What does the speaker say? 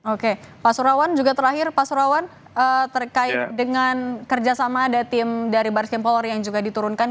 oke pak surawan juga terakhir pak surawan terkait dengan kerjasama ada tim dari baris kim polri yang juga diturunkan